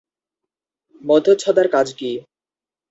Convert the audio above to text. মধ্যচ্ছদার কাজ কী?